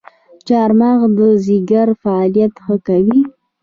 چارمغز د ځیګر فعالیت ښه کوي.